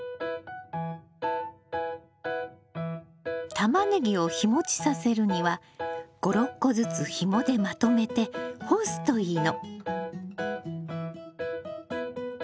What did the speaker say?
タマネギを日もちさせるには５６個ずつひもでまとめて干すといいの。